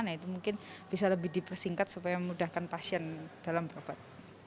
nah itu mungkin bisa lebih dipersingkat supaya memudahkan pasien dalam berobat